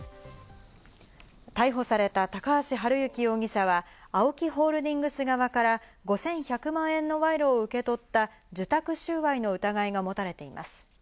逮捕された高橋治之容疑者はＡＯＫＩホールディングス側から５１００万円の賄賂を受け取った受託収賄の疑いが持たれています。